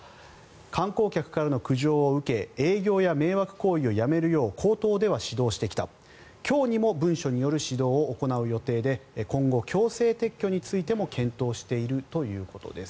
観光客からの苦情を受け営業や迷惑行為をやめるよう口頭では指導してきた今日にも文書による指導を行う予定で今後、強制撤去についても検討しているということです。